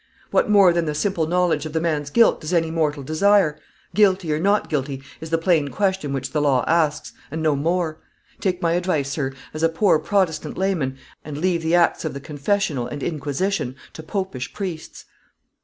What more than the simple knowledge of the man's guilt does any mortal desire; guilty, or not guilty, is the plain question which the law asks, and no more; take my advice, sir, as a poor Protestant layman, and leave the acts of the confessional and inquisition to Popish priests."